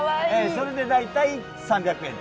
それで大体３００円とか。